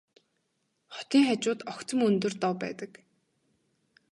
Хотын хажууд огцом өндөр дов байдаг.